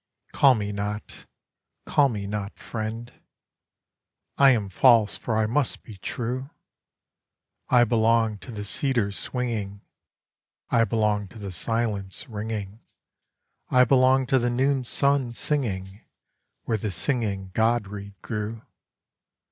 Call me not, call me not friend—I am false for I must be true!I belong to the cedar, swinging;I belong to the silence, ringing;I belong to the noon sun, singingWhere the singing god reed grew.